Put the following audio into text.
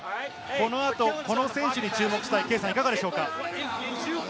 この後、この選手に注目したい、いかがですか？